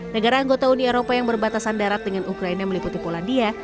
negara anggota uni eropa yang berbatasan darat dengan ukraina meliputi polandia